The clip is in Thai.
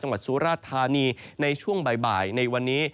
จังหวัดสุราธารณีในช่วงบ่ายในวันนี้